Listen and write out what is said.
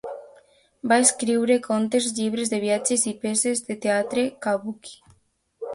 Va escriure contes, llibres de viatges i peces de teatre kabuki.